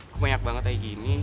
kok banyak banget kayak gini